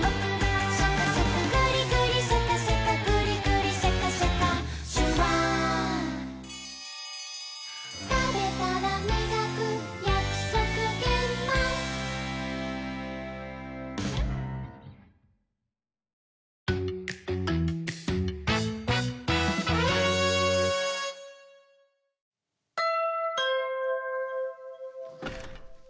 「グリグリシャカシャカグリグリシャカシャカ」「シュワー」「たべたらみがくやくそくげんまん」ピンポン。